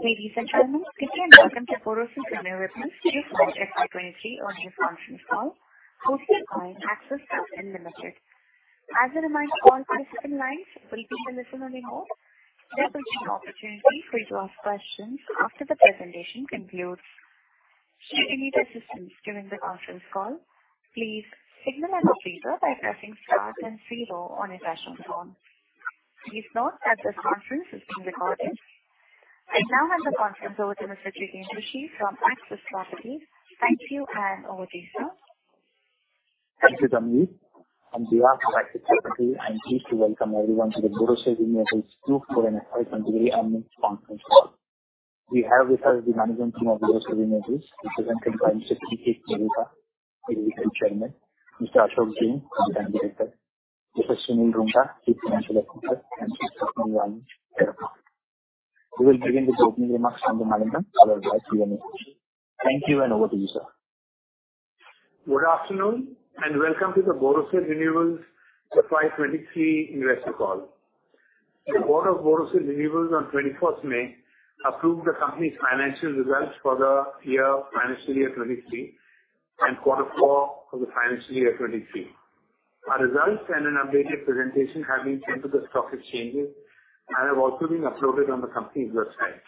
Ladies and gentlemen, welcome to Borosil Renewables Q for FY 2023 earning conference call hosted by Axis Capital Limited. As a reminder, all participants lines will be in a listen-only mode. There will be an opportunity for you to ask questions after the presentation concludes. Should you need assistance during the conference call, please signal on the freezer by pressing star and zero on your telephone. Please note that this conference is being recorded. I now hand the conference over to Mr. Jiteen Rushe from Axis Capital. Thank you, over to you, sir. Thank you, Tanvi. On behalf of Axis Capital, I'm pleased to welcome everyone to the Borosil Renewables Q4 an FY23 earnings conference call. We have with us the management team of Borosil Renewables, which is comprised of P. K. Kheruka, Executive Chairman, Mr. Ashok Jain, Non-Executive Director, Mr. Sunil Roongta, Whole-time Director and Chief Financial Officer, and Mr. Niranjan Karpe. We will begin with opening remarks from the management, followed by Q&A. Thank you, and over to you, sir. Good afternoon, welcome to the Borosil Renewables for FY23 investor call. The Board of Borosil Renewables on 21st May, approved the company's financial results for the year, financial year 23 and Quarter Four for the financial year 23. Our results and an updated presentation have been sent to the stock exchanges and have also been uploaded on the company's website.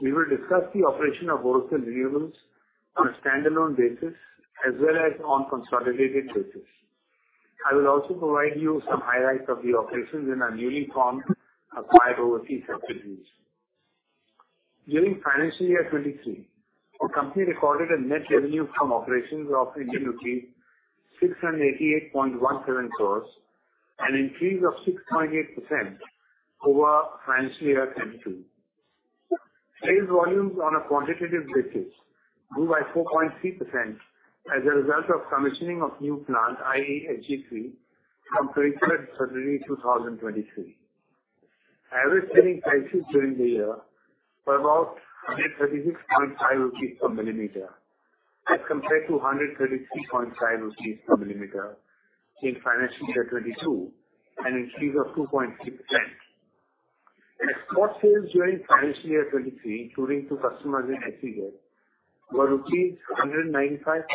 We will discuss the operation of Borosil Renewables on a standalone basis as well as on a consolidated basis. I will also provide you some highlights of the operations in our newly formed acquired overseas properties. During financial year 23, our company recorded a net revenue from operations of 688.17 crores, an increase of 6.8% over financial year 22. Sales volumes on a quantitative basis grew by 4.3% as a result of commissioning of new plant, i.e., HG3, from 23rd February 2023. Average selling prices during the year were about 136.5 rupees per millimeter, as compared to 133.5 rupees per millimeter in financial year 2022, an increase of 2.6%. Export sales during financial year 2023, including to customers in SEZ, were 195.25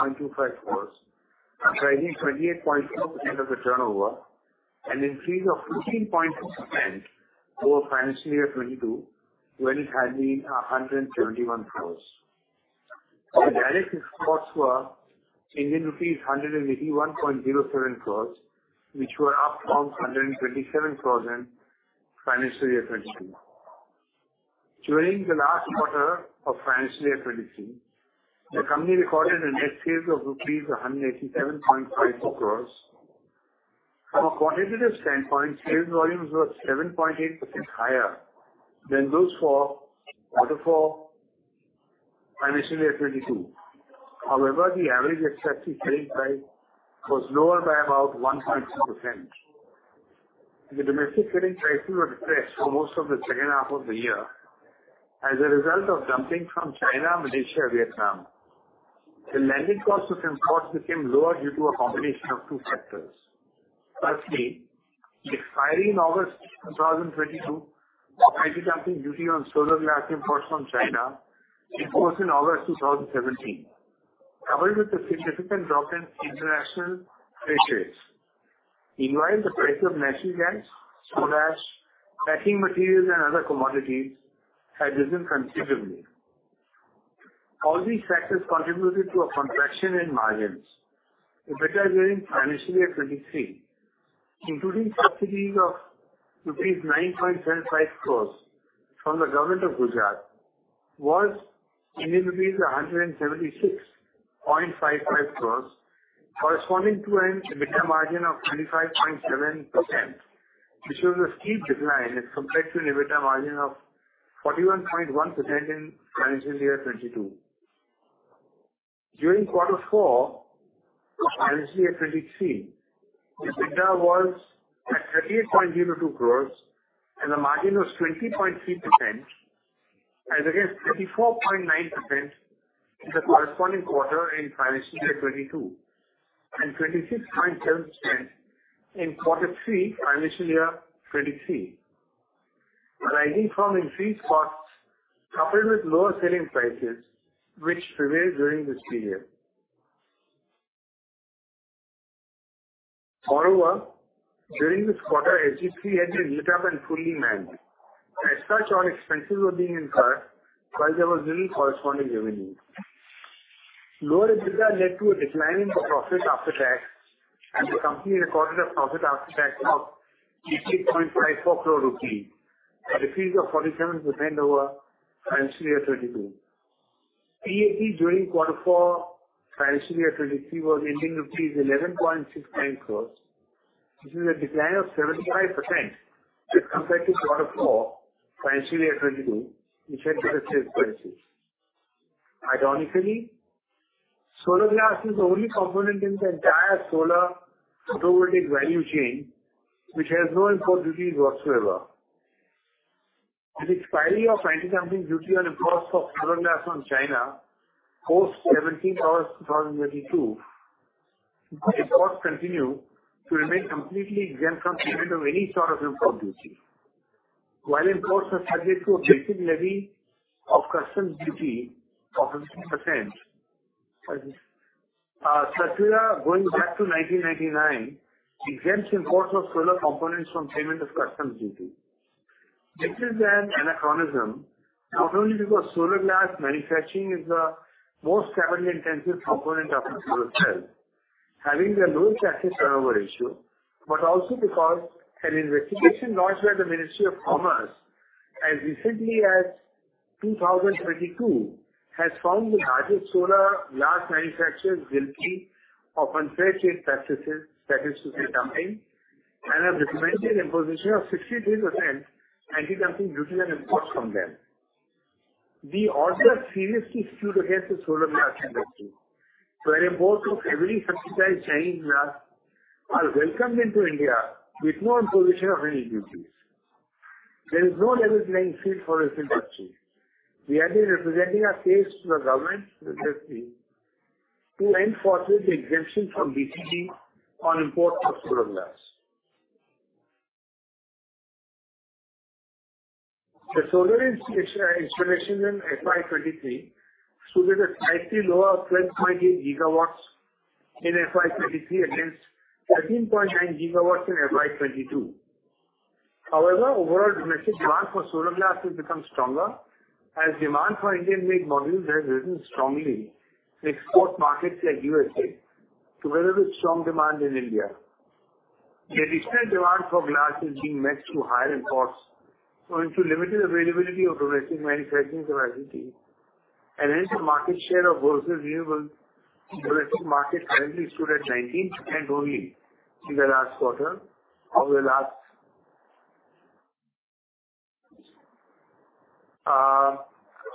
crores, rising 28.2% of the turnover, an increase of 15.6% over financial year 2022, when it had been 171 crores. The direct exports were Indian rupees 181.07 crores, which were up from 127 crores in financial year 2022. During the last quarter of financial year 2023, the company recorded a net sales of rupees 187.54 crores. From a quantitative standpoint, sales volumes were 7.8% higher than those for Quarter 4, financial year 2022. However, the average accepted selling price was lower by about 1.2%. The domestic selling prices were depressed for most of the second half of the year as a result of dumping from China, Malaysia, Vietnam. The landed cost of imports became lower due to a combination of two factors. Firstly, the expiry in August 2022, anti-dumping duty on solar glass imports from China, imposed in August 2017, coupled with a significant drop in international freight rates. Meanwhile, the price of natural gas, solar, packing materials and other commodities had risen considerably. All these factors contributed to a contraction in margins, which are during financial year 2023, including subsidies of rupees 9.75 crores from the Government of Gujarat, was rupees 176.55 crores, corresponding to an EBITDA margin of 25.7%, which was a steep decline as compared to an EBITDA margin of 41.1% in financial year 2022. During Quarter Four of financial year 2023, EBITDA was at 38.02 crores and the margin was 20.3% as against 34.9% in the corresponding quarter in financial year 2022, and 26.7% in Quarter Three, financial year 2023. Rising from increased costs, coupled with lower selling prices which prevailed during this period. Moreover, during this quarter, HG3 had been lit up and fully manned. As such, all expenses were being incurred while there was little corresponding revenue. Lower EBITDA led to a decline in the profit after tax, and the company recorded a profit after tax of 80.54 crore rupees, a decrease of 47% over financial year 2022. PAT during Quarter Four, financial year 2023, was INR 11.69 crore, which is a decline of 75% as compared to Quarter Four, financial year 2022, which had been INR 66.6. Ironically, solar glass is the only component in the entire solar photovoltaic value chain, which has no import duties whatsoever. With the expiry of anti-dumping duty on imports of solar glass from China, post 17 August 2022. Imports continue to remain completely exempt from payment of any sort of import duty. While imports are subject to a basic levy of customs duty of 18%, Notification No. 25/1999-Customs, going back to 1999, exempts imports of solar components from payment of customs duty. This is an anachronism, not only because solar glass manufacturing is the most capital intensive component of the solar cell, having the lowest asset turnover ratio, but also because an investigation launched by the Ministry of Commerce as recently as 2022, has found the largest solar glass manufacturers guilty of unfair trade practices, that is to say, dumping, and have recommended imposition of 63% anti-dumping duty on imports from them. The order seriously skewed against the solar glass industry, where imports of every subsidized Chinese glass are welcomed into India with no imposition of any duties. There is no level playing field for this industry. We have been representing our case to the government recently to enforce the exemption from BCD on imports of solar glass. The solar installation in FY 2023 showed a slightly lower of 12.8 gigawatts in FY 2023, against 13.9 gigawatts in FY 2022. However, overall domestic demand for solar glass will become stronger as demand for Indian-made modules has risen strongly in export markets like USA, together with strong demand in India. The additional demand for glass is being met through higher imports owing to limited availability of domestic manufacturing capacity and then the market share of Borosil Renewables in domestic market currently stood at 19% only in the last quarter of the last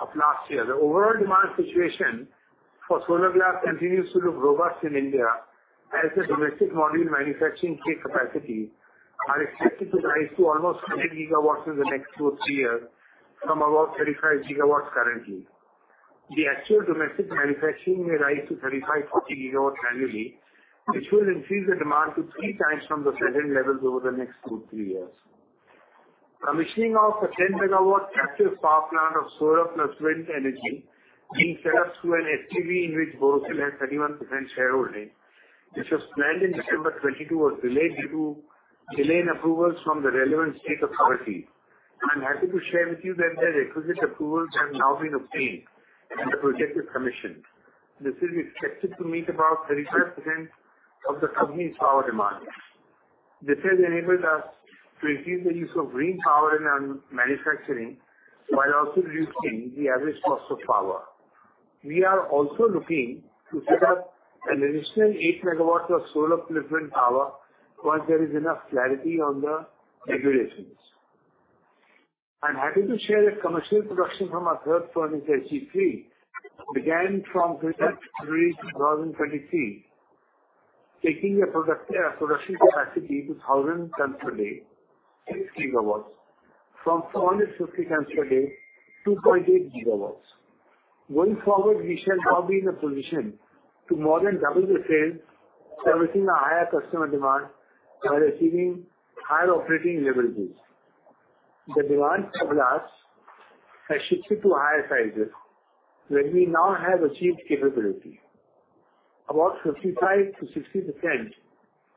of last year. The overall demand situation for solar glass continues to look robust in India, as the domestic module manufacturing capacity are expected to rise to almost 10 gigawatts in the next two or three years, from about 35 gigawatts currently. The actual domestic manufacturing may rise to 35, 40 gigawatts annually, which will increase the demand to 3 times from the present levels over the next two, three years. Commissioning of a 10 megawatt captive power plant of solar plus wind energy being set up through an SPV in which Borosil has 31% shareholding, which was planned in December 2022, was delayed due to delay in approvals from the relevant state authority. I'm happy to share with you that the requisite approvals have now been obtained and the project is commissioned. This is expected to meet about 30% of the company's power demand. This has enabled us to increase the use of green power in our manufacturing, while also reducing the average cost of power. We are also looking to set up an additional 8 megawatts of solar plus wind power, once there is enough clarity on the regulations. I'm happy to share that commercial production from our third furnace, HG3, began from February 2023, taking a product production capacity to 1,000 tons per day, 6 gigawatts, from 450 tons per day, 2.8 gigawatts. Going forward, we shall now be in a position to more than double the sales, servicing a higher customer demand by receiving higher operating leverages. The demand for glass has shifted to higher sizes, where we now have achieved capability. About 55%-60%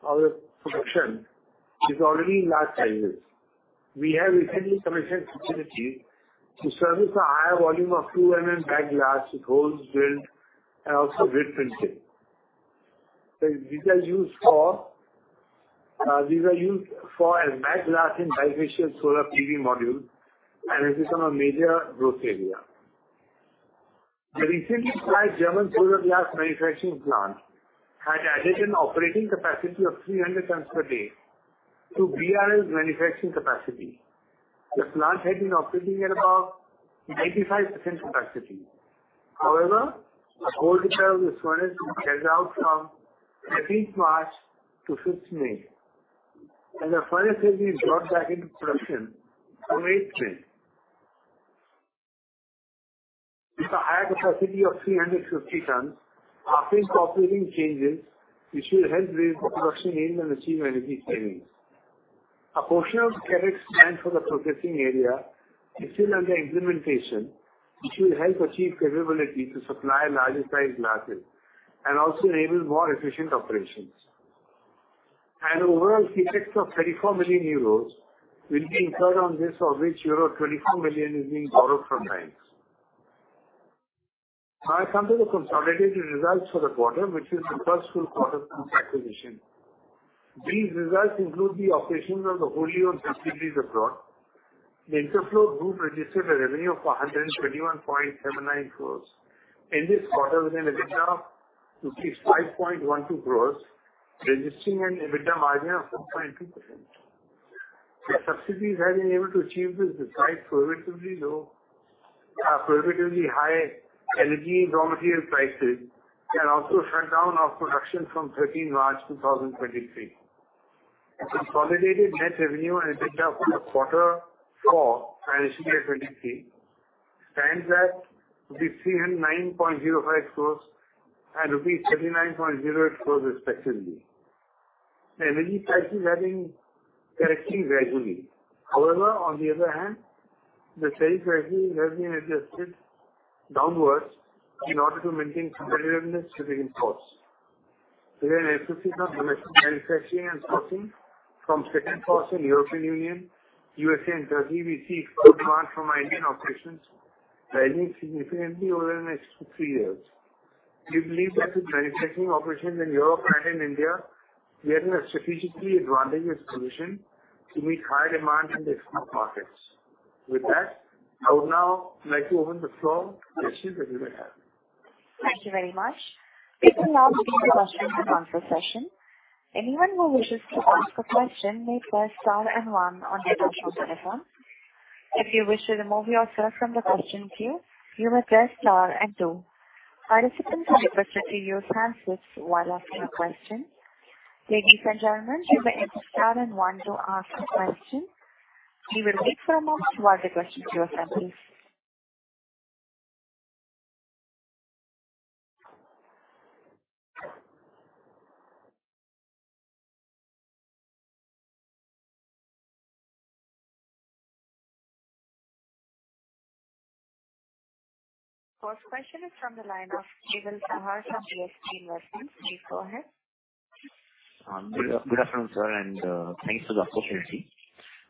of the production is already in large sizes. We have recently commissioned facilities to service a higher volume of 2 mm back glass with holes drilled and also grid printing. These are used for a back glass in bifacial solar PV module and has become a major growth area. The recently acquired German solar glass manufacturing plant had additional operating capacity of 300 tons per day to BRL's manufacturing capacity. The plant had been operating at about 95% capacity. However, a cold trial was furnished and checked out from 13th March to 5th May, and the furnace has been brought back into production on 8th May. With a higher capacity of 350 tons, offering operating changes, which will help raise the production aim and achieve energy savings. A portion of the CapEx planned for the processing area is still under implementation, which will help achieve capability to supply larger sized glasses and also enable more efficient operations. An overall CapEx of 34 million euros will be incurred on this, of which euro 24 million is being borrowed from banks. I come to the consolidated results for the quarter, which is the first full quarter since acquisition. These results include the operations of the wholly owned subsidiaries abroad. The Interfloat Group registered a revenue of 121.79 crores. In this quarter, with an EBITDA of 265.12 crores, registering an EBITDA margin of 4.2%. The subsidies have been able to achieve this despite prohibitively low, prohibitively high energy and raw material prices, and also a shutdown of production from 13th March 2023. consolidated net revenue and EBITDA for the quarter four, financial year 2023, stands at 309.05 crores and rupees 39.08 crores respectively. The energy prices are being corrected gradually. However, on the other hand, the sales pricing has been adjusted downwards in order to maintain competitiveness to the imports. We are witnessing the manufacturing and sourcing from second quarter in the European Union, USA, and Turkey. We see strong demand from Indian operations rising significantly over the next 2, 3 years. We believe that the manufacturing operations in Europe and in India, we are in a strategically advantageous position to meet high demand in the export markets. With that, I would now like to open the floor for questions that you may have. Thank you very much. We will now begin the question and answer session. Anyone who wishes to ask a question may press star and one on your telephone. If you wish to remove yourself from the question queue, you may press star and two. Participants are requested to use handsets while asking a question. Ladies and gentlemen, you may enter star and one to ask a question. We will wait for a moment to add the question to your phone, please. First question is from the line of Jigar Shah, from JSG Investments. Please, go ahead. Good afternoon, sir, and thanks for the opportunity.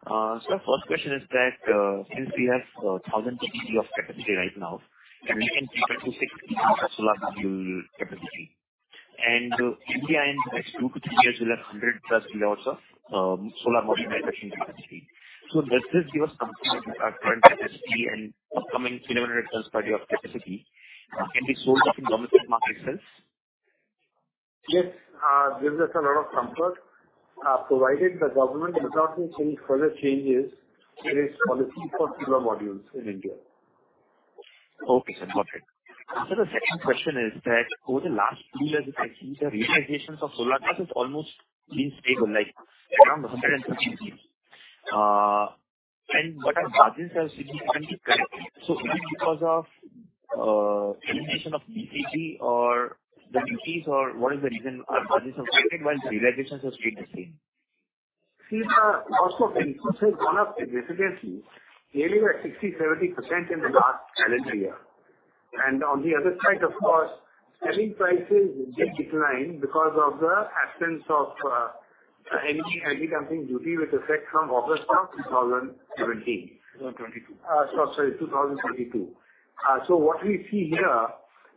First question is that, since we have 1,000 GT of capacity right now, and we can keep up to 60 solar module capacity, and India in the next 2-3 years will have 100+ kilowatts of solar module manufacturing capacity. Does this give us comfort that our current capacity and upcoming generated capacity of capacity can be sold off in domestic market itself? Yes, gives us a lot of comfort, provided the government does not make any further changes in its policy for solar modules in India. Okay, sir. Got it. The second question is that over the last two years, I see the realizations of solar has almost been stable, like around 150. What are margins are significantly correct. Is it because of elimination of DTC or the duties, or what is the reason our margins are staying while the realizations are staying the same? See, the cost of invoices gone up significantly, nearly by 60%, 70% in the last calendar year. On the other side, of course, selling prices did decline because of the absence of any anti-dumping duty with effect from August of 2017. 2022. Sorry, 2022. What we see here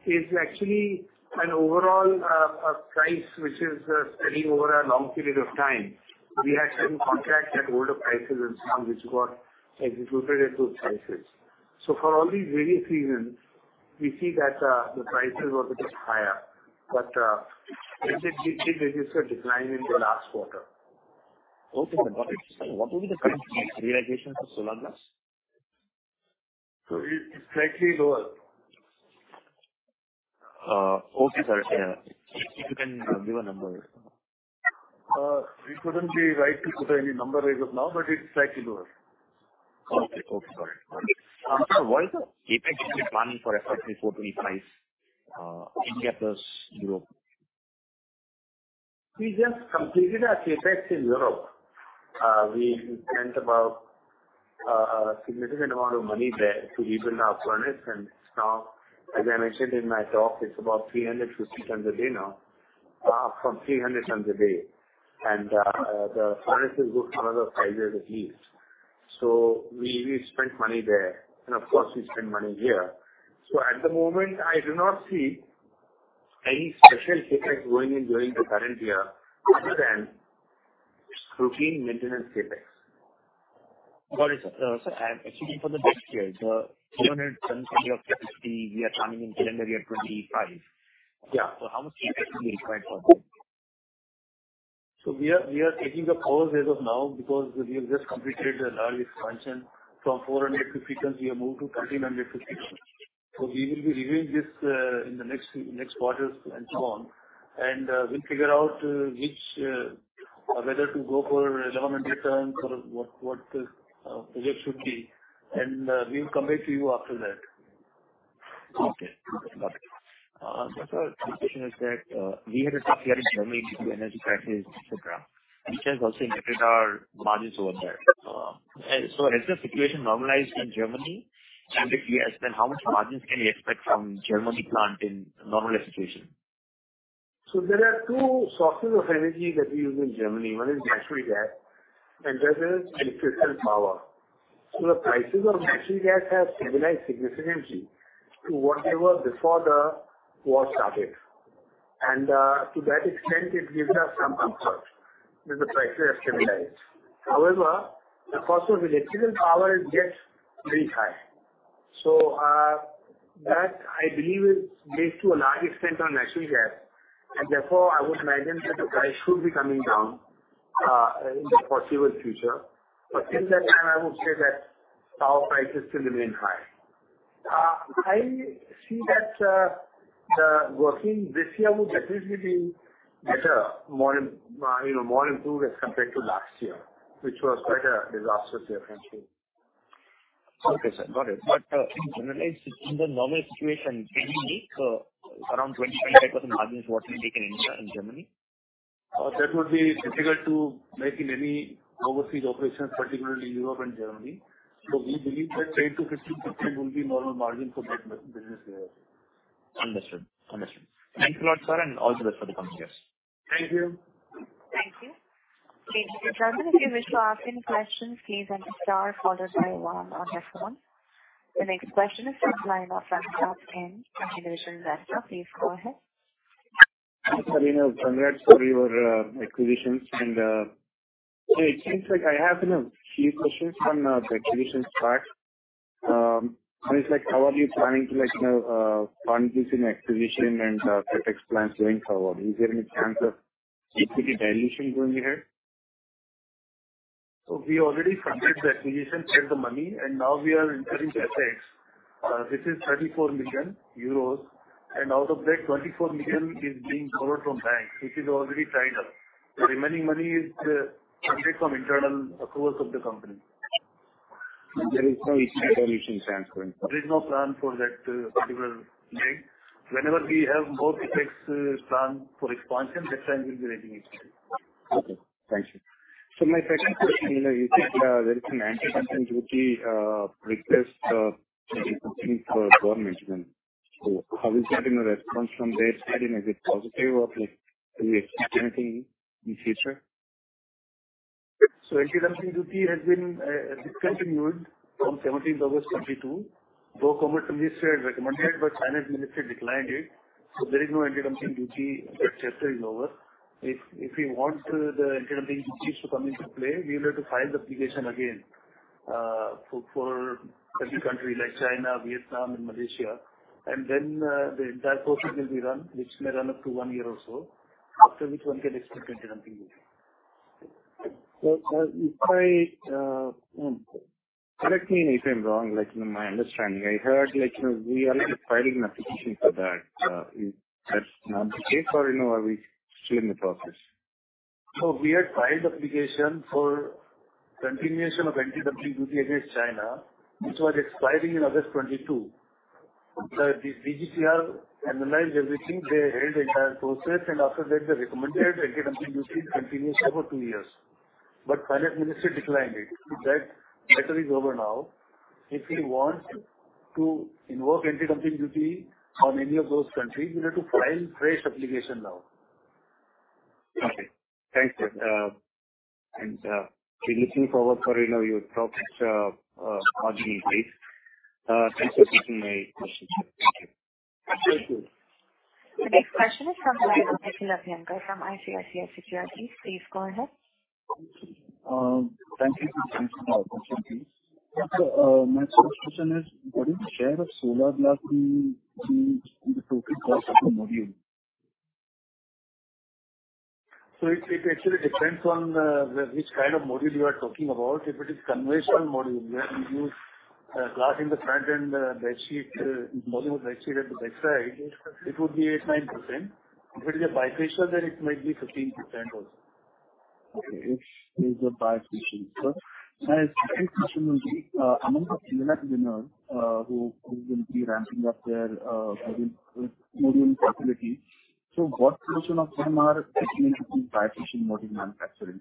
is actually an overall price, which is steady over a long period of time. We had certain contracts at older prices, and some which got executed at those prices. For all these various reasons, we see that the prices were a bit higher, but we did register a decline in the last quarter. Okay. What will be the current realization for solar glass? It's slightly lower. Okay, sir. Yeah. If you can give a number? We couldn't be right to put any number as of now, but it's slightly lower. Okay. Okay, got it. After a while, CapEx planning for FY 25, India plus Europe. We just completed our CapEx in Europe. We spent about a significant amount of money there to rebuild our furnace. As I mentioned in my talk, it's about 350 tons a day now, from 300 tons a day. The furnace will go another 5 years at least. We spent money there, and of course, we spend money here. At the moment, I do not see any special CapEx going in during the current year, other than routine maintenance CapEx. Got it, sir. sir, actually, for the next year, the 300 tons capacity we are planning in calendar year 25. Yeah. How much CapEx will be required for that? We are taking a pause as of now because we have just completed a large expansion. From 400 to frequency, we have moved to 1,360. We will be reviewing this in the next quarters and so on, we'll figure out which whether to go for a development return or what the project should be, and we will come back to you after that. Okay. Got it. The question is that, we had a tough year in Germany due to energy prices, etc., which has also impacted our margins over there. Has the situation normalized in Germany? If yes, then how much margins can we expect from Germany plant in normalized situation? There are 2 sources of energy that we use in Germany. One is natural gas, and the other is electrical power. The prices of natural gas have stabilized significantly to what they were before the war started. To that extent, it gives us some comfort that the prices are stabilized. However, the cost of electrical power is just very high. That, I believe, is based to a large extent on natural gas, and therefore, I would imagine that the price should be coming down in the foreseeable future. In that time, I would say that power prices still remain high. I see that the working this year would definitely be better, more, you know, more improved as compared to last year, which was quite a disastrous year, frankly. Okay, sir, got it. In general, in the normal situation, can you make, around 25% margin is what you make in India and Germany? That would be difficult to make in any overseas operations, particularly Europe and Germany. We believe that 10%-15% will be normal margin for that business area. Understood. Understood. Thanks a lot, sir. All the best for the coming years. Thank you. Thank you. If you wish to ask any questions, please enter star followed by one on your phone. The next question is from the line of Anshab Khan, Institutional Investor. Please go ahead. Hi, Sarina. Congrats for your acquisitions. It seems like I have, you know, a few questions from the acquisitions part. It's like, how are you planning to, like, you know, fund this in acquisition and CapEx plans going forward? Is there any chance of equity dilution going ahead? We already funded the acquisition and the money, and now we are entering CapEx. This is 34 million euros, and out of that, 24 million is being covered from banks, which is already tied up. The remaining money is funded from internal approvals of the company. There is no dilution chance going forward? There is no plan for that, particular thing. Whenever we have more CapEx, plan for expansion, that time we'll be raising it. Okay, thank you. My second question, you know, you think there is an anti-dumping duty request for government. Have you gotten a response from their side? Is it positive or, like, can we expect anything in future? Anti-dumping duty has been discontinued from 17th August, 2022. Though Piyush Goyal recommended, but Nirmala Sitharaman declined it, so there is no anti-dumping duty. That chapter is over. If we want the anti-dumping duties to come into play, we will have to file the application again for every country like China, Vietnam, and Malaysia, and then the entire process will be run, which may run up to 1 year or so, after which one can expect anti-dumping duty. If I correct me if I'm wrong, like, in my understanding, I heard, like, you know, we are already filing an application for that's not the case or, you know, are we still in the process? We had filed the application for continuation of anti-dumping duty against China, which was expiring in August 2022. The DGTR analyzed everything. They held the entire process, and after that, they recommended anti-dumping duty continuous over two years. Nirmala Sitharaman declined it. That matter is over now. If we want to invoke anti-dumping duty on any of those countries, we need to file fresh application now. Okay. Thanks, sir. We're looking forward for, you know, your profits, margin increase. Thanks for taking my questions. Thank you. Thank you. The next question is from Nikhil Abhyankar, from ICICI Securities. Please go ahead. thank you for taking my question, please. My first question is, what is the share of solar glass in the total cost of the module? It actually depends on which kind of module you are talking about. If it is conventional module, where you use glass in the front and, back sheet, module with back sheet at the back side, it would be 8-9%. If it is a bifacial, it might be 15% also. Okay. If it is a bifacial. My second question will be among the PLI winners, who will be ramping up their module facilities, so what portion of them are actually into bifacial module manufacturing?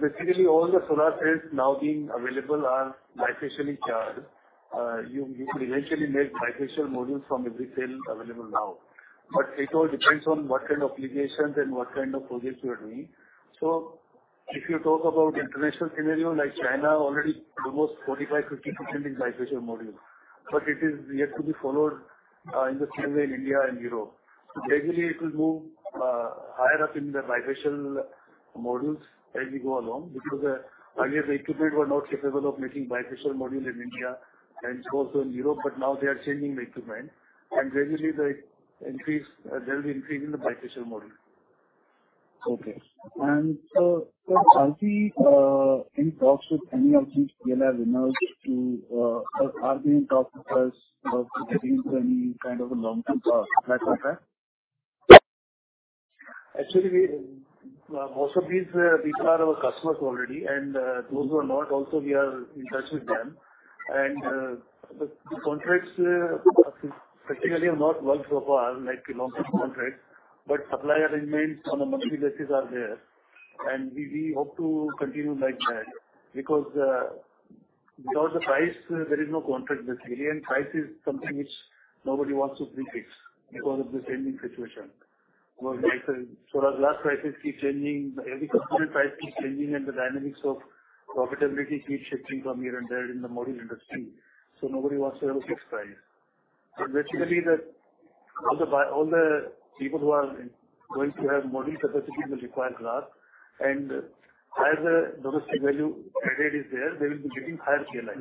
Basically, all the solar cells now being available are bifacially charged. You could eventually make bifacial modules from every cell available now, but it all depends on what kind of applications and what kind of projects you are doing. If you talk about international scenario, like China, already almost 45, 50% in bifacial modules, but it is yet to be followed in the same way in India and Europe. Gradually it will move higher up in the bifacial modules as we go along, because earlier the equipment were not capable of making bifacial module in India and also in Europe, but now they are changing the equipment and gradually they increase, there will be increase in the bifacial module. Sir, are we in talks with us to get into any kind of a long-term flat contract? Actually, we, most of these are our customers already, and those who are not, also we are in touch with them. The contracts, practically have not worked so far, like long-term contracts, but supplier arrangements on a monthly basis are there, and we hope to continue like that, because the price, there is no contract basically, and price is something which nobody wants to pre-fix because of the changing situation. Because solar glass prices keep changing, every component price keeps changing, and the dynamics of profitability keep shifting from here and there in the module industry. Nobody wants to have a fixed price. Basically, all the people who are going to have module capacity will require glass, and as the domestic value added is there, they will be getting higher PLI.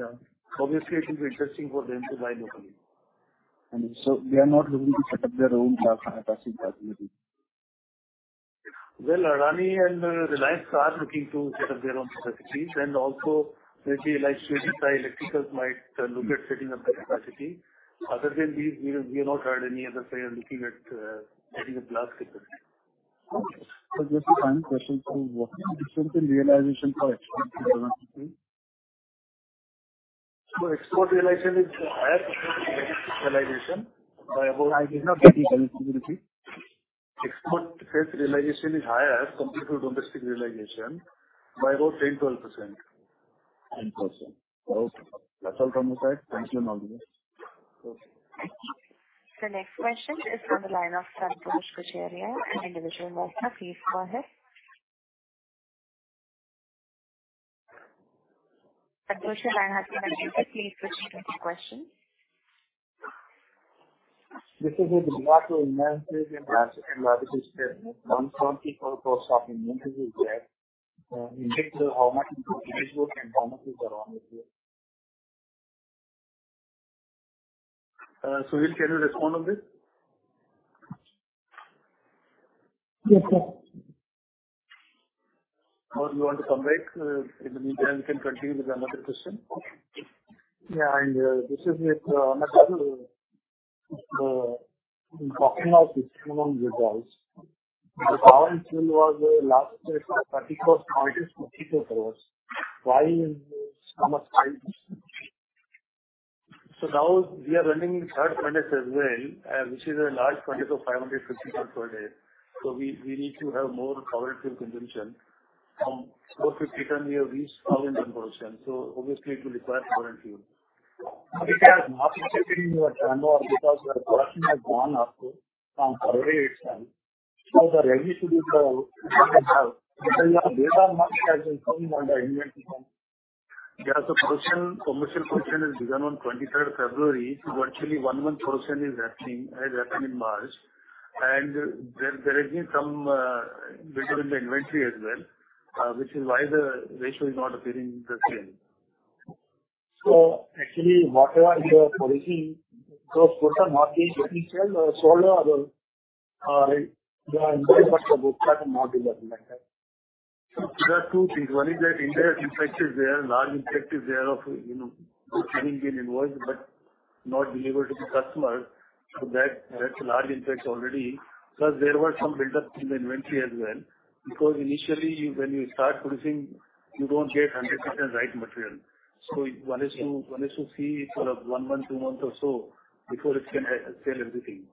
Obviously, it will be interesting for them to buy locally. They are not looking to set up their own glass processing facility? Well, Adani and Reliance are looking to set up their own capacities, and also maybe like Shriram Electricals might look at setting up the capacity. Other than these, we have not heard any other player looking at adding a glass capacity. Okay. Just a final question, so what is the difference in realization for export and domestic? Export realization is higher than domestic realization by. I did not get you. Can you repeat? Export realization is higher compared to domestic realization by about 10%-12%. 10%. Okay, that's all from my side. Thank you, The next question is from the line of Santosh Kacharia, Individual Investor. Please go ahead. Santhosh, your line has been unmuted. Please switch to your question. This is with regard to inventories and logistics. 144% of inventory is there, indicate how much inventory and raw materials are on this? Sunil, can you respond on this? Yes, sir. You want to come back? In the meantime, we can continue with another question. Yeah, this is with, another, talking of minimum results. The power fuel was last 34.44 crores. Why in summer time? Now we are running third furnace as well, which is a large furnace of 550 ton per day. We need to have more power fuel consumption. From 450 ton, we have reached 1,000 ton consumption, obviously it will require power and fuel. It has not reflected in your turnover because your production has gone up from February eighth time. The revenue should be the. Yes, the production, commercial production has begun on 23rd February. Virtually 1 month production is happening, has happened in March, there has been some build in the inventory as well, which is why the ratio is not appearing the same. actually, what are your policy to put a margin between solar or, the inventory, but the books are not reflected like that? There are two things. One is that India impact is there, large impact is there of, you know, booking an invoice but not delivered to the customer. That's a large impact already. Plus, there were some buildup in the inventory as well, because initially when you start producing, you don't get 100% right material. One is to see sort of one month, two months or so before it can sell everything.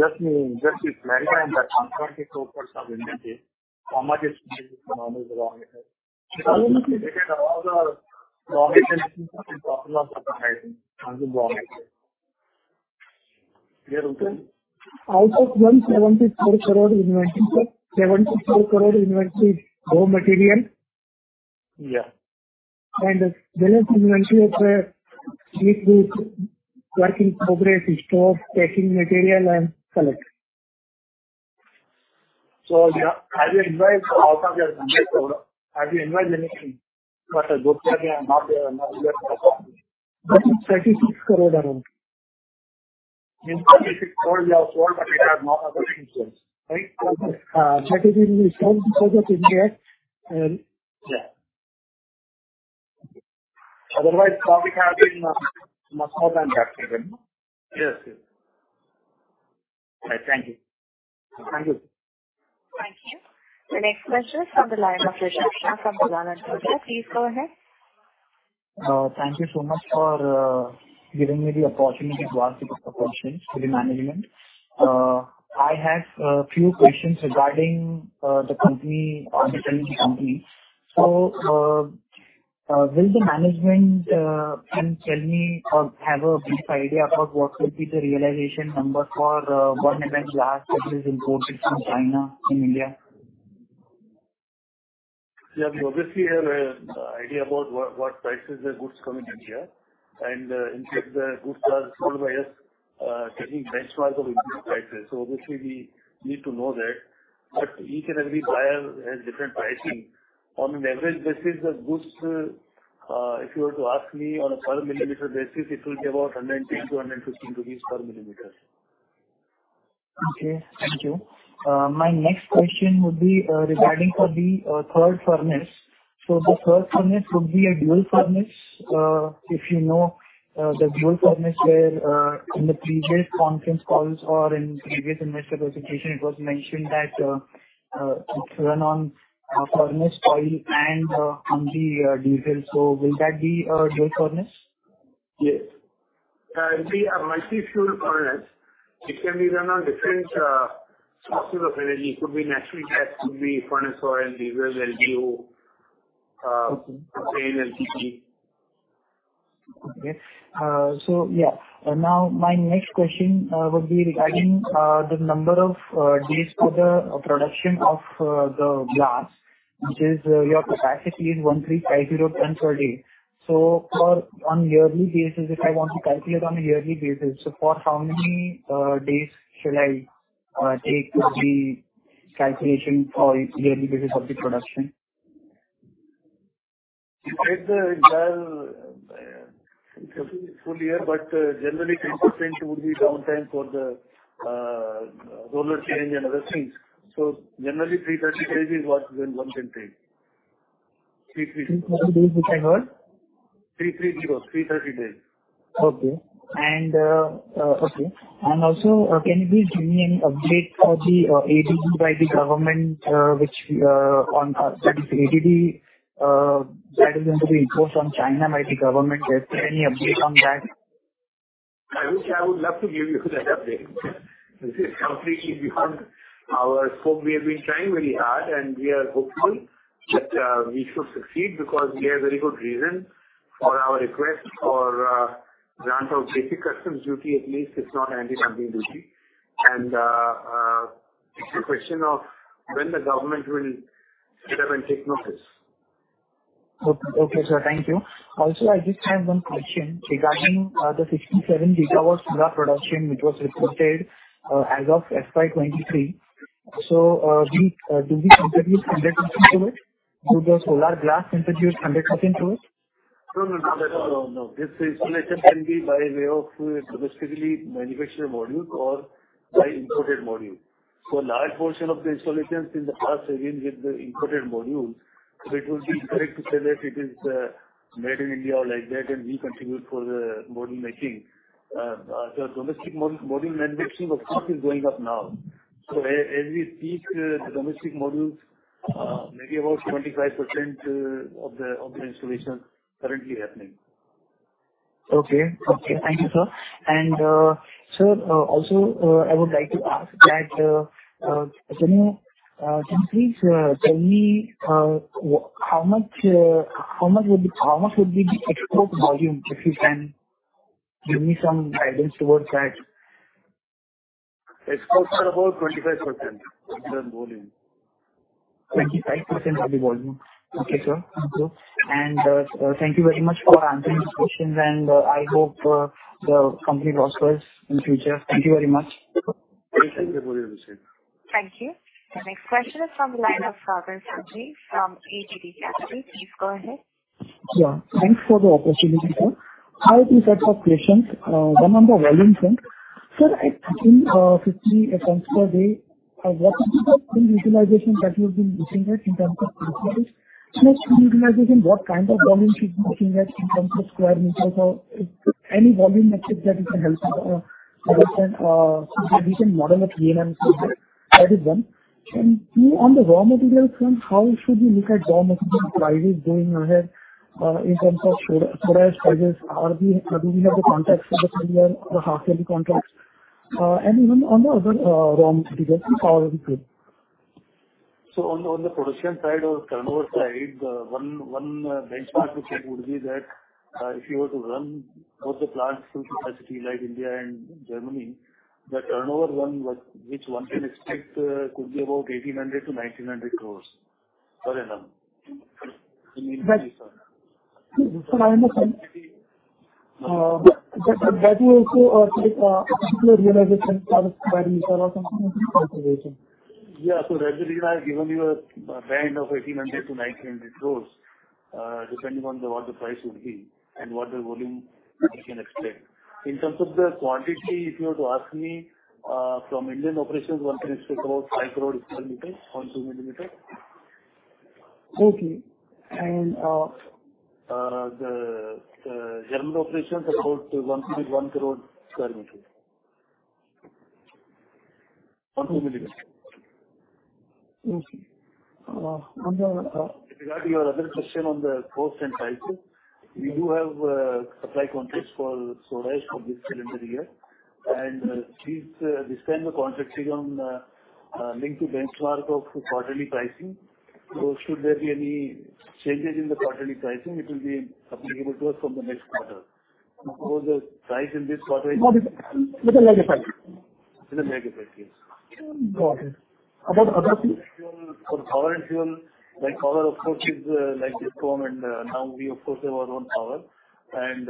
just in, just this time, that 144% of inventory, how much is normal, wrong? All the raw materials and profit loss are writing on the raw material. Yeah, okay. Out of 174 crore inventory, sir, INR 74 crore inventory is raw material. Yeah. The rest inventory of, work in progress, stock, testing material, and select. Yeah, have you invoiced out of your inventory? Have you invoiced anything? The books are not yet. 36 crore around. In 36 crore, we have sold, but we have not other things yet, right? INR 36 crore is yet. Otherwise, profit has been much more than that, even. Yes. Thank you. Thank you. Thank you. The next question is from the line of Rishabh Shah from Dalal & Broacha. Please go ahead. Thank you so much for giving me the opportunity to ask a few questions to the management. I have few questions regarding the company. Will the management can tell me or have a brief idea about what will be the realization number for 1 mm glass that is imported from China, in India? Yeah, we obviously have idea about what prices the goods come in India, and in case the goods are sold by us, taking benchmark of import prices. Obviously we need to know that. Each and every buyer has different pricing. On an average basis, the goods, if you were to ask me on a per millimeter basis, it will be about 110-115 per millimeter. Okay. Thank you. My next question would be regarding for the third furnace. The third furnace would be a dual furnace. If you know, the dual furnace where in the previous conference calls or in previous investor presentation, it was mentioned that it's run on furnace oil and on the diesel. Will that be a dual furnace? Yes. It'll be a multi-fuel furnace. It can be run on different sources of energy. It could be natural gas, could be furnace oil, diesel, LDO, diesel, LPG. Okay. Yeah. Now, my next question would be regarding the number of days for the production of the glass, which is your capacity is 1,350 TPD. For on yearly basis, if I want to calculate on a yearly basis, for how many days shall I take to the calculation for yearly basis of the production?... You get the entire full year, but generally 20% would be downtime for the roller change and other things. So generally 330 days is what one can take. 330 days, which I heard? 330. 330 days. Okay. Okay. Also, can you please give me an update for the ADD by the government, which on ADD, that is going to be imposed on China by the government. Is there any update on that? I wish I would love to give you that update. This is completely beyond our scope. We have been trying very hard, and we are hopeful that we should succeed because we have very good reason for our request for grant of Basic Customs Duty. At least it's not anti-dumping duty. It's a question of when the government will get up and take notice. Okay. Okay, sir, thank you. Also, I just have one question regarding the 67 gigawatts of production, which was reported as of FY 23. Do we contribute 100% to it? Do the solar glass contribute 100% to it? No, no, not at all. No. This installation can be by way of domestically manufactured modules or by imported modules. A large portion of the installations in the past have been with the imported modules, it will be correct to say that it is made in India or like that, and we contribute for the module making. Domestic module manufacturing, of course, is going up now. As we speak, the domestic modules, maybe about 25% of the installation currently happening. Okay. Okay, thank you, sir. Sir, also, I would like to ask that, can you please tell me how much would be the export volume, if you can give me some guidance towards that? Exports are about 25% of the volume. 25% of the volume. Okay, sir. Thank you. Thank you very much for answering these questions, and I hope the company prospers in future. Thank you very much. Thank you for your question. Thank you. The next question is from the line of Sagar Sanghvi from ADD Capital. Please go ahead. Yeah, thanks for the opportunity, sir. I have two sets of questions. One on the volume front. Sir, I think, 50 tons per day, what is the full utilization that you've been looking at in terms of square meters? Next, in utilization, what kind of volume should be looking at in terms of square meters or any volume metrics that you can help me understand so that we can model a PNL, that is one. Two, on the raw material front, how should we look at raw material prices going ahead in terms of solar sizes? Do we have the contracts for the solar, the half annual contracts, and even on the other raw materials like power and fuel? On the production side or turnover side, one benchmark which I would give that if you were to run both the plants to capacity like India and Germany, the turnover one which one can expect could be about 1,800-1,900 crore per annum. Right. I understand. That is also, like, a particular realization for the square meter or something like that? Yeah. That's the reason I've given you a band of 1,800 crore-1,900 crore, depending on what the price would be and what the volume we can expect. In terms of the quantity, if you were to ask me, from Indian operations, one can expect about 5 crore square meters 0.2 millimeter. Okay. The German operations, about 1.1 crore square meters. 1 2 millimeter. Okay. on the, Regarding your other question on the cost and prices, we do have supply contracts for solar for this calendar year. These, this time the contracts is on linked to benchmark of quarterly pricing. Should there be any changes in the quarterly pricing, it will be applicable to us from the next quarter. The price in this quarter. With a lag effect. With a lag effect, yes. Got it. For power and fuel, like power, of course, is, like this form, and, now we of course have our own power, and,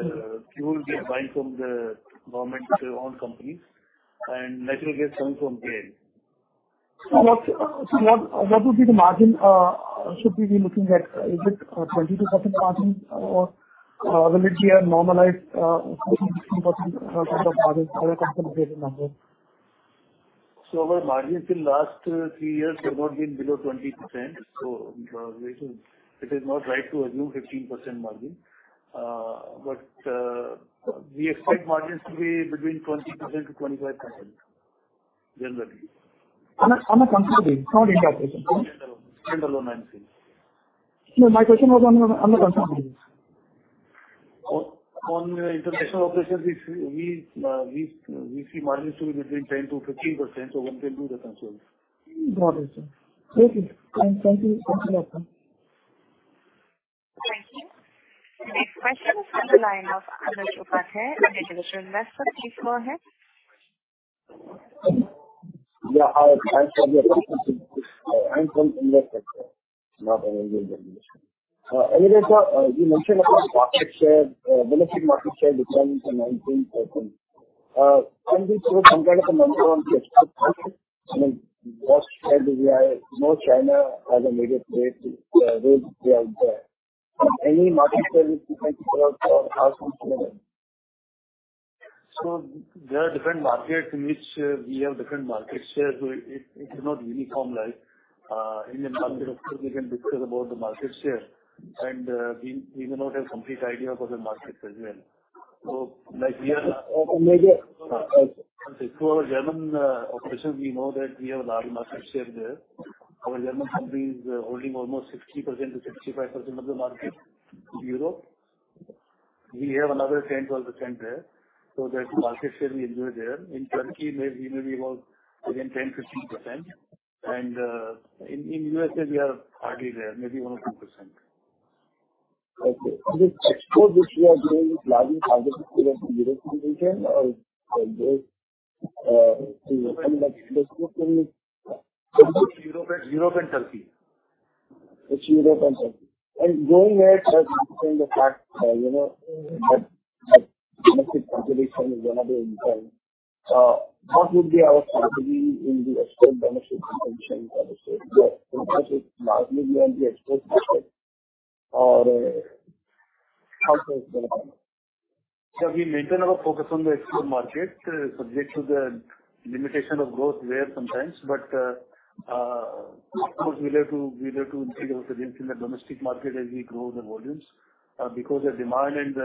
fuel we buy from the government-owned companies and natural gas coming from GAIL. what would be the margin, should we be looking at? Is it 22% margin or will it be a normalized 15%-16% kind of margin or a consolidated number? Our margins in last 3 years have not been below 20%, so it is not right to assume 15% margin. We expect margins to be between 20%-25%, generally. On a consolidated, not international? Stand alone, stand alone, I'm saying. No, my question was on the consolidated. On international operations, we see margins to be between 10%-15%. One can do the calculations. Got it, sir. Okay, thank you. Thank you very much. Thank you. Next question is from the line of Anil Chopra. An institutional investor. Please go ahead. Yeah, I'm from the institution. I'm from investor, not an individual. Earlier, sir, you mentioned about the market share, domestic market share declining from 19%. Can we talk about the number on the export? I mean, what share do we have? I know China has a major rate there. Any market share which you can throw out or how come together? There are different markets in which we have different market shares. It is not uniform like in the market. Of course, we can discuss about the market share, and we may not have complete idea about the market as well. Like we are- Okay. For our German operations, we know that we have a large market share there. Our German company is holding almost 60%-65% of the market in Europe. We have another 10-12% there, so that market share we enjoy there. In Turkey, maybe about again 10-15%. In USA, we are hardly there, maybe 1% or 2%. Okay. This export which we are doing is largely targeted to the European region or Europe and Turkey. It's Europe and Turkey. Going ahead, considering the fact, you know, that domestic consumption is going to be inside, what would be our strategy in the export versus consumption versus largely we are in the export market or how does that happen? We maintain our focus on the export market, subject to the limitation of growth there sometimes. Of course, we'll have to increase our presence in the domestic market as we grow the volumes, because the demand and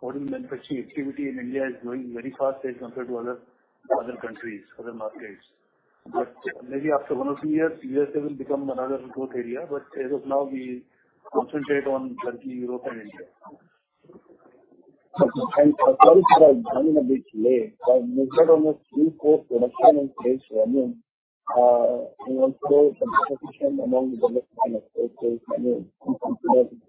volume manufacturing activity in India is growing very fast as compared to other countries, other markets. Maybe after one or two years, U.S. will become another growth area. As of now, we concentrate on Turkey, Europe and India. Okay. Sorry if I'm running a bit late, but based on the three core production and sales volume, you want to say the competition among the domestic and export sales, I mean, in comparison?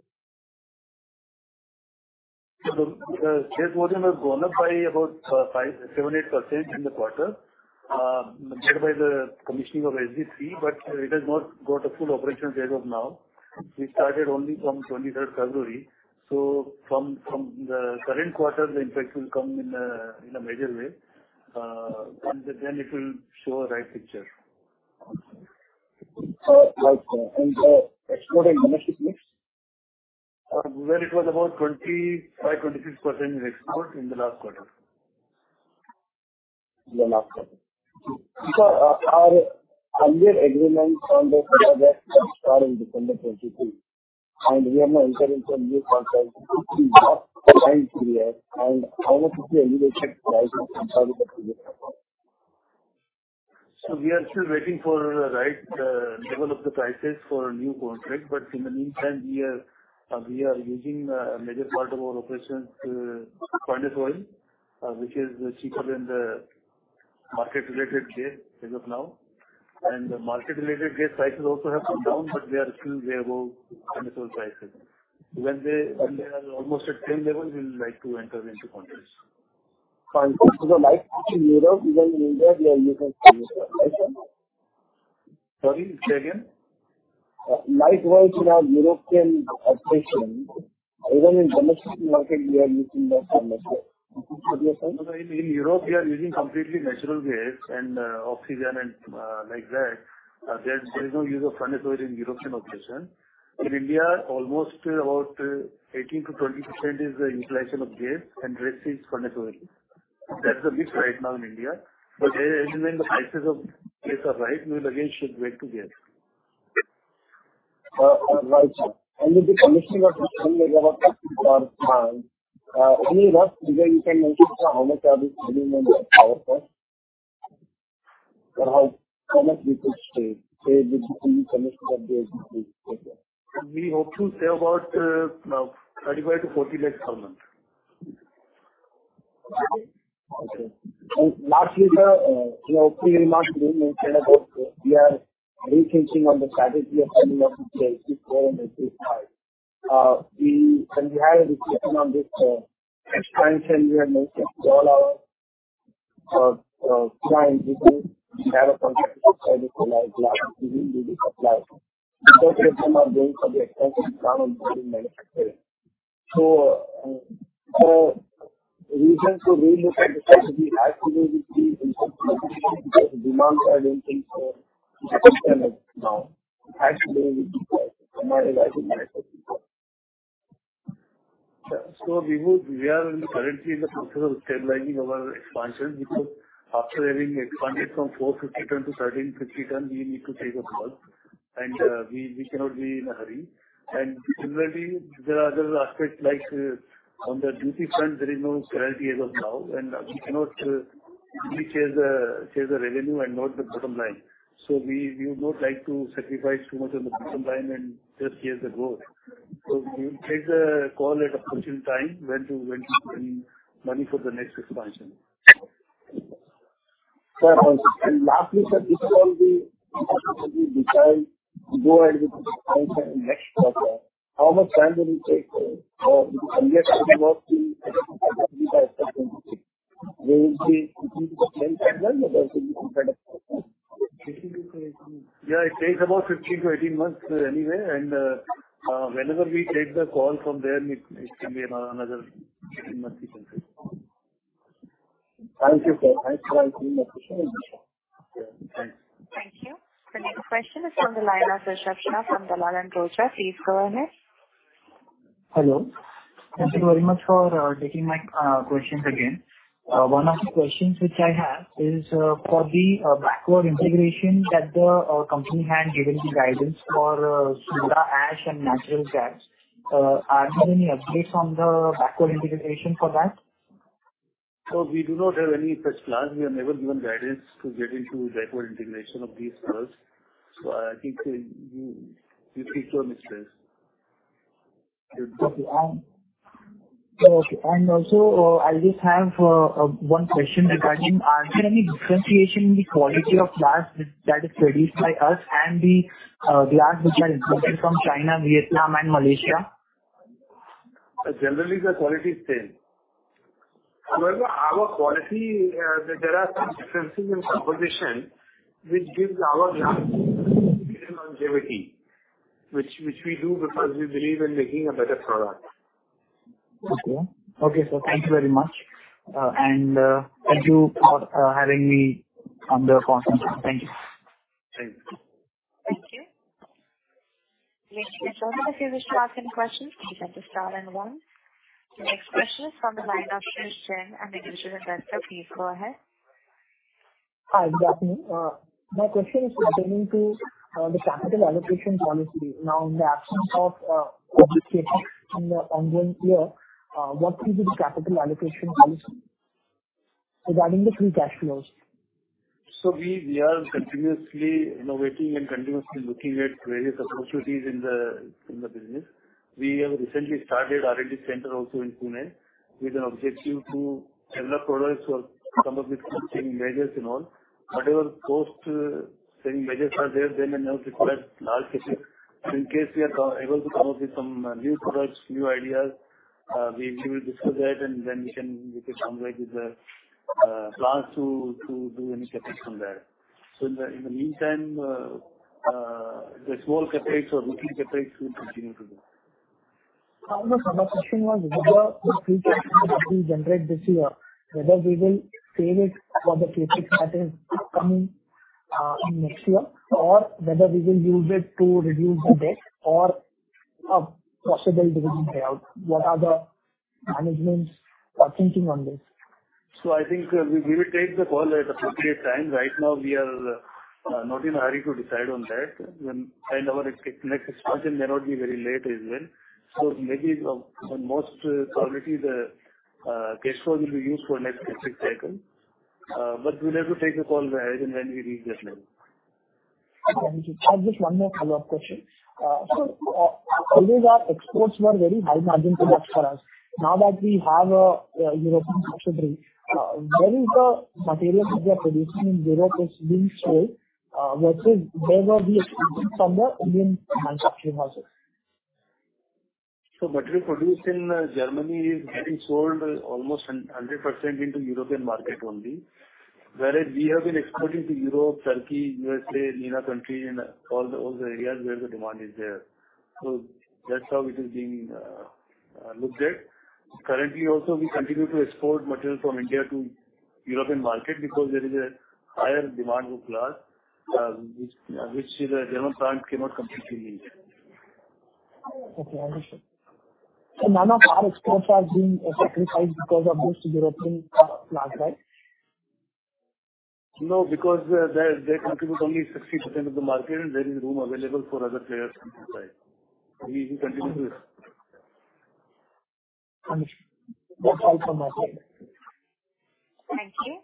The sales volume has gone up by about 5, 7, 8% in the quarter, led by the commissioning of SG-3, but it has not got a full operational as of now. We started only from 23rd February. From the current quarter, the impact will come in a major way. It will show a right picture. Okay. Right, and export and domestic mix? where it was about 25, 26% in export in the last quarter. The last quarter. Our earlier agreements on the start in December 23, and we have not entered into a new contract. How much is the elevated price compared to this report? We are still waiting for the right level of the prices for a new contract, but in the meantime, we are using major part of our operations to furnace oil, which is cheaper than the market-related gas as of now. The market-related gas prices also have come down, but they are still way above furnace oil prices. When they are almost at same level, we'll like to enter into contracts. Fine. like in Europe, even in India, we are using. Sorry, say again? Likewise in our European operation, even in domestic market, we are using that same method. In Europe, we are using completely natural gas and oxygen and like that. There's no use of furnace oil in European operation. In India, almost about 18% to 20% is the utilization of gas, and rest is furnace oil. That's the mix right now in India, but as when the prices of gas are right, we will again shift back to gas. Right. With the commissioning of our first part time, any rough figure you can mention how much are we saving in power plant? Or how much we could save with the commissioning of the SG-3. We hope to save about, INR 35-40 lakhs per month. Okay. Lastly, sir, your opening remarks, you mentioned about we are rethinking on the strategy of setting up SG-4 and SG-5. When we had a discussion on this expansion, we had mentioned all our clients, we do have a contract with them to supply. Some of them are going for the expansion down and manufacturing. Reasons to relook at the strategy, actually, the demand side increase now, actually, with people, as I said. We are currently in the process of stabilizing our expansion, because after having expanded from 450 tons to 1,350 tons, we need to take a pause, and we cannot be in a hurry. Similarly, there are other aspects like on the duty front, there is no clarity as of now, and we cannot change the revenue and not the bottom line. We would not like to sacrifice too much on the bottom line and just chase the growth. We will take the call at opportune time when to, when to bring money for the next expansion. Sir, lastly, sir, this will be, possibly decide to go ahead with the expansion next quarter. How much time will it take for, will it be the same timeline or there will be some kind of problem? Yeah, it takes about 15 to 18 months anyway. Whenever we take the call from there, it can be another 18 months we can take. Thank you, sir. Thanks for asking the question. Thank you. The next question is from the line of Sushant Sharma from Dalal & Broacha. Please go ahead. Hello. Thank you very much for taking my questions again. One of the questions which I have is for the backward integration that the company had given the guidance for soda ash and natural gas. Are there any updates on the backward integration for that? We do not have any such plans. We have never given guidance to get into backward integration of these products. I think you feel your mistakes. Okay. Also, I'll just have one question regarding, are there any differentiation in the quality of glass that is produced by us and the glass which are imported from China, Vietnam, and Malaysia? Generally, the quality is same. However, our quality, there are some differences in composition, which gives our glass longevity, which we do because we believe in making a better product. Okay. Okay, sir, thank you very much. Thank you for having me on the conference call. Thank you. Thank you. Thank you. Next, if you wish to ask any questions, you have to star and one. The next question is from the line of Chris Chen, and the Institutional Investor. Please go ahead. Hi, good afternoon. My question is pertaining to the capital allocation policy. In the absence of in the ongoing year, what will be the capital allocation policy regarding the free cash flows? We are continuously innovating and continuously looking at various opportunities in the, in the business. We have recently started R&D center also in Pune, with an objective to develop products or come up with some measures and all. Whatever post-selling measures are there, they may not require large CapEx. In case we are able to come up with some new products, new ideas, we will discuss that, and then we can, we can come back with the plans to do any CapEx from there. In the, in the meantime, the small CapEx or middle CapEx will continue to do. My question was, whether the free cash flow that we generate this year, whether we will save it for the CapEx that is upcoming, in next year, or whether we will use it to reduce the debt or a possible dividend payout. What are the management's thinking on this? I think we will take the call at appropriate time. Right now, we are not in a hurry to decide on that. Our next expansion may not be very late as well. Maybe the, for most probability, the cash flow will be used for next CapEx cycle. We'll have to take a call when we reach that level. Thank you. I have just one more follow-up question. Earlier our exports were very high margin products for us. Now that we have a European factory, where is the material which we are producing in Europe is being sold, versus where were we exporting from the Indian manufacturing houses? Material produced in Germany is getting sold almost 100% into European market only. Whereas we have been exporting to Europe, Turkey, USA, MENA country, and all the areas where the demand is there. That's how it is being looked at. Currently also, we continue to export material from India to European market because there is a higher demand of glass, which the German plant cannot completely meet. Okay, I understand. None of our exports are being sacrificed because of this European glass, right? No, because they contribute only 60% of the market, and there is room available for other players to buy. We will continue to export. Understood. That's all from my side. Thank you.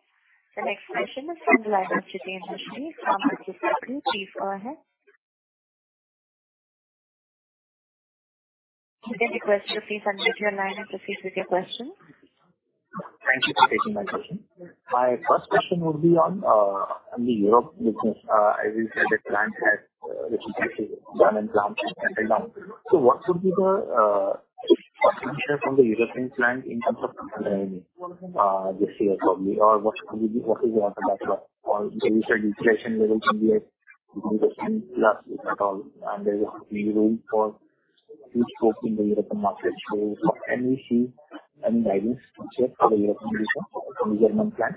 The next question is from the line of Chetan Gindodia. Please go ahead. You get your question, please unmute your line and proceed with your question. Thank you for taking my question. My first question would be on on the Europe business. I will say the plant has, which is actually German plant until now. What would be the first share from the European plant in terms of this year, probably? What is your on the backlog? You said utilization level can be at 20% plus at all, and there is going to be room for huge scope in the European market. Can we see any guidance for the European business from the German plant?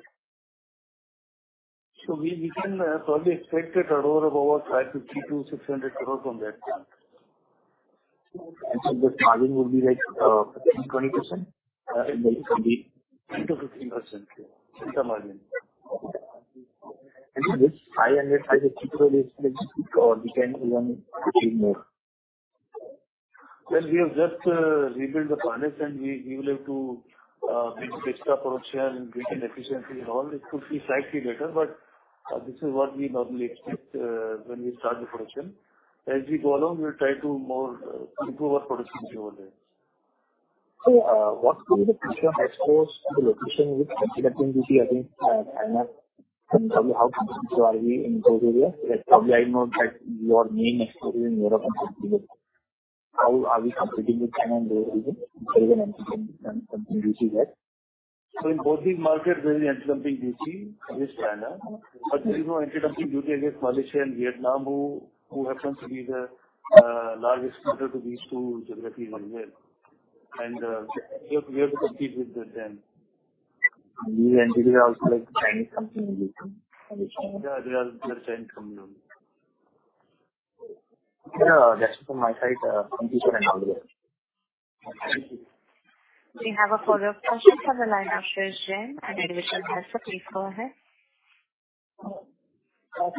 We can probably expect a turnover of over 550 crore-600 crore from that plant. The margin would be like, 15%, 20%? It can 10%-15% inter margin. Okay. Is this high end as a typical or we can earn a little more? Well, we have just rebuilt the furnace, and we will have to increase the production, bring in efficiency and all. It could be slightly better, but this is what we normally expect when we start the production. As we go along, we'll try to more improve our production over there. What will be the future exports to the location with DC, I think, China? How competitive are we in those areas? Like, probably I know that your main exposure in Europe and Central Europe. How are we competing with China and everything? Even something we see that. In both these markets, we are encompassing DC with China, but there is no antidumping duty against Malaysia and Vietnam, who happens to be the largest leader to these two geographically one here. We have to compete with them. These entities are also like Chinese companies? Yeah, they are Chinese company. Yeah, that's it from my side, completion and all that. Thank you. We have a follow-up question on the line of Ashish Jain and additional press. Please go ahead.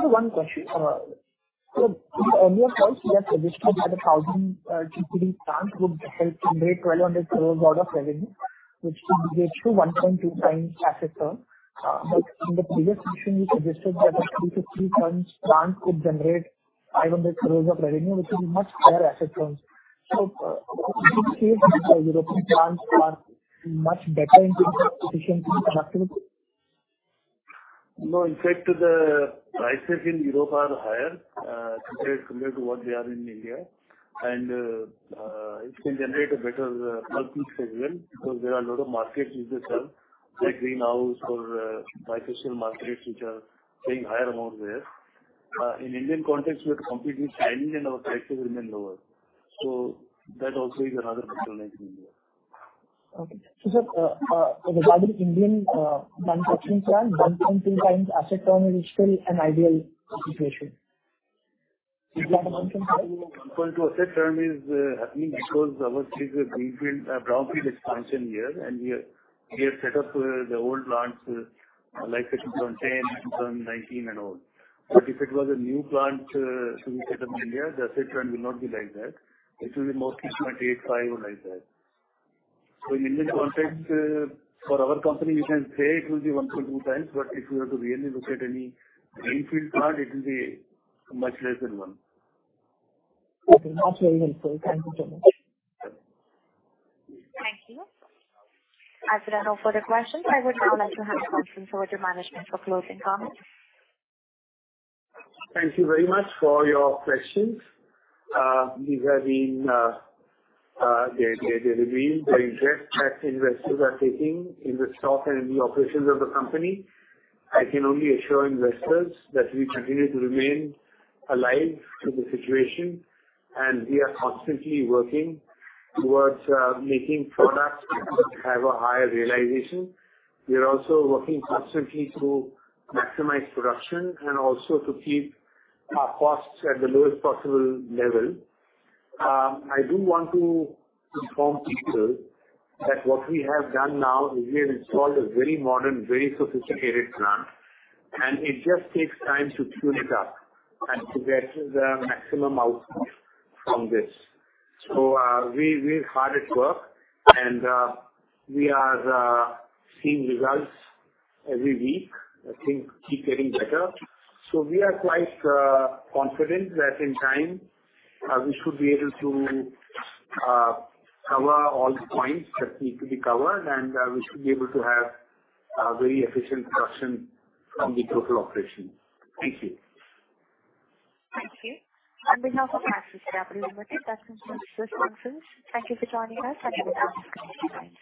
One question. In the earlier calls, we have suggested that a 1,000 TPD plant would help generate 1,200 crores of revenue, which could be true 1.2x asset term. In the previous question, you suggested that a 2-3x plant could generate 500 crores of revenue, which is much higher asset terms. Would you say the European plants are much better in terms of efficiency and productivity? No. In fact, the prices in Europe are higher, compared to what they are in India. It can generate a better profit as well, because there are a lot of markets which they sell, like greenhouse or biofuel markets, which are paying higher amount there. In Indian context, we have to compete with China, and our prices remain lower. That also is another factor in India. Okay. sir, regarding Indian manufacturing plant, 1.2 times asset term is still an ideal situation. Is that a 1.5? 1.2 asset term is, because our is a greenfield, a brownfield expansion here, and we have set up the old plants, like 2010, 2019 and all. If it was a new plant to be set up in India, the asset term will not be like that. It will be mostly 28, 5, or like that. In Indian context, for our company, we can say it will be 1.2 times, but if you were to really look at any greenfield plant, it will be much less than 1. Okay. That's very helpful. Thank you so much. Thank you. As there are no further questions, I would now like to have the conference over to management for closing comments. Thank you very much for your questions. These have been, they reveal the interest that investors are taking in the stock and in the operations of the company. I can only assure investors that we continue to remain alive to the situation, and we are constantly working towards making products have a higher realization. We are also working constantly to maximize production and also to keep our costs at the lowest possible level. I do want to inform people that what we have done now is we have installed a very modern, very sophisticated plant, and it just takes time to tune it up and to get the maximum output from this. we're hard at work, and we are seeing results every week, I think, keep getting better. We are quite confident that in time, we should be able to cover all the points that need to be covered, and we should be able to have a very efficient production from the total operation. Thank you. Thank you. On behalf of Axis Capital Limited, that concludes this conference. Thank you for joining us, and you may now disconnect.